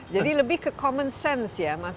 jadi lebih ke common sense ya